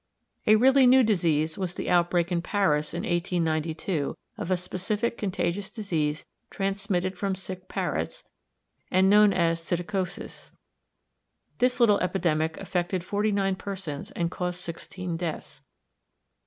A really new disease was the outbreak in Paris in 1892 of a specific contagious disease transmitted from sick parrots, and known as psittacosis. This little epidemic affected forty nine persons, and caused sixteen deaths.